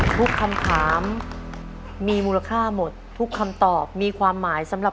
ทุกคำถามมีมูลค่าหมดทุกคำตอบมีความหมายสำหรับ